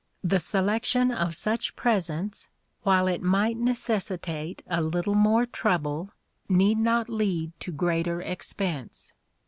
The selection of such presents, while it might necessitate a little more trouble, need not lead to greater expense.